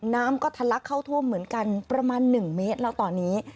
น้ำก็ทะลักเข้าท่วมเหมือนกันประมาณ๑เมตรแล้วตอนนี้